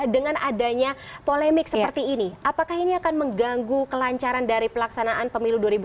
dengan adanya polemik seperti ini apakah ini akan mengganggu kelancaran dari pelaksanaan pemilu dua ribu dua puluh